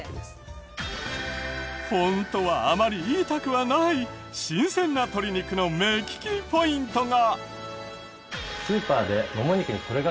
ホントはあまり言いたくはない新鮮な鶏肉の目利きポイントが。